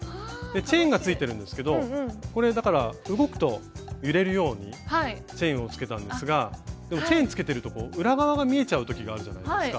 チェーンがついてるんですけどこれだから動くと揺れるようにチェーンをつけたんですがでもチェーンつけてると裏側が見えちゃうときがあるじゃないですか。